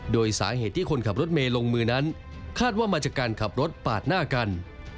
โดยสาเหตุที่คนขับรถเมย์ลงมือนั้นคาดว่ามาจากการขับรถปาดหน้ากัน